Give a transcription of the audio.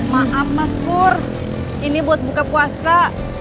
maaf mas nur ini buat buka puasa